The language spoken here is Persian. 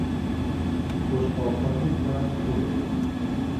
بشقابهای پر از پلو